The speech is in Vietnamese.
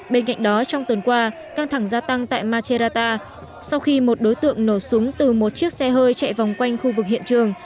bên cạnh đó trong tuần qua căng thẳng gia tăng tại macherrata sau khi một đối tượng nổ súng từ một chiếc xe hơi chạy vòng quanh khu vực hiện trường